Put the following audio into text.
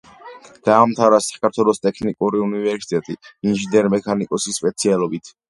დაამთავრა საქართველოს ტექნიკური უნივერსიტეტი ინჟინერ-მექანიკოსის სპეციალობით.